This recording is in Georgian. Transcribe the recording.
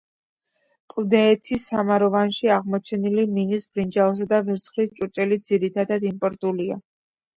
კლდეეთის სამაროვანში აღმოჩენილი მინის, ბრინჯაოსა და ვერცხლის ჭურჭელი ძირითადად იმპორტულია.